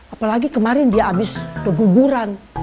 apalagi kemarin dia habis keguguran